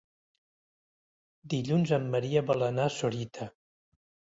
Dilluns en Maria vol anar a Sorita.